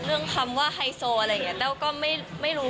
เรื่องคำว่าไฮโซอะไรเงี้ยเต้าก็ไม่รู้